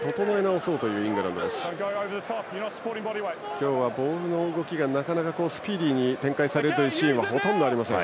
今日はボールの動きがなかなかスピーディーに展開されるシーンがほとんどありません。